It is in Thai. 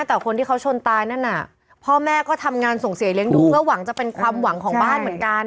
แต่คนที่เขาชนตายนั่นน่ะพ่อแม่ก็ทำงานส่งเสียเลี้ยงดูเพื่อหวังจะเป็นความหวังของบ้านเหมือนกัน